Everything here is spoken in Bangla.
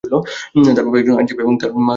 তার বাবা একজন আইনজীবী এবং তার মা গৃহকর্মী ছিলেন।